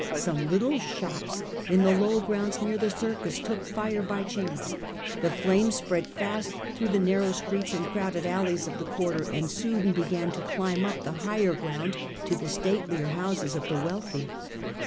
Some little shops in the low to which the grounds near the Circus took fire by chance. "^he flames spread fast through the narrow fresh ini Streets and crowded alleys of the quarter, A.D. 64. and soon began to climb up the higher ground to the statelier houses of the wealthy.